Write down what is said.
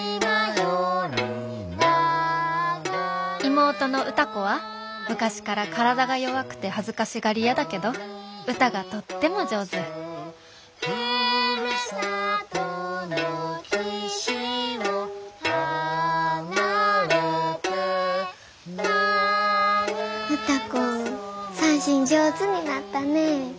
妹の歌子は昔から体が弱くて恥ずかしがり屋だけど歌がとっても上手歌子三線上手になったね。